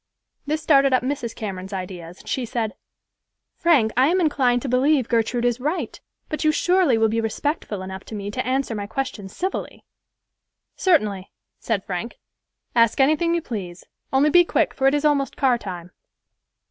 This started up Mrs. Cameron's ideas, and she said, "Frank, I am inclined to believe Gertrude is right; but you surely will be respectful enough to me to answer my questions civilly." "Certainly," said Frank. "Ask anything you please; only be quick, for it is almost car time."